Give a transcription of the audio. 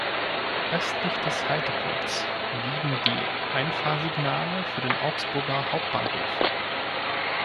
Östlich des Haltepunkts liegen die Einfahrsignale für den Augsburger Hauptbahnhof.